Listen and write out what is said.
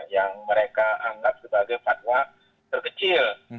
yang mereka anggap sebagai fatwa terkecil